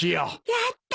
やったー！